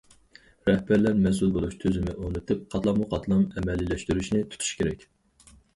رەھبەرلەر مەسئۇل بولۇش تۈزۈمى ئورنىتىپ، قاتلاممۇ قاتلام ئەمەلىيلەشتۈرۈشنى تۇتۇشى كېرەك.